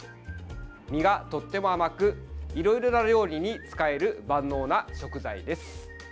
実がとっても甘くいろいろな料理に使える万能な食材です。